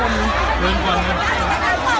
ก็ไม่มีเวลาให้กลับมาเท่าไหร่